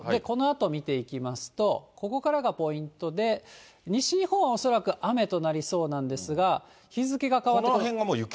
このあと見ていきますと、ここからがポイントで、西日本は恐らく雨となりそうなんですが、日付が変わった。